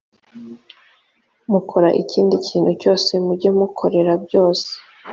mukora ikindi kintu cyose mujye mukorera byose